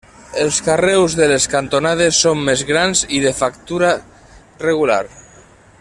Els carreus de les cantonades són més grans i de factura regular.